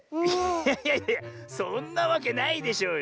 いやいやいやそんなわけないでしょうよ。